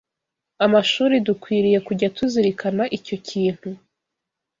amashuri dukwiriye kujya tuzirikana icyo kintu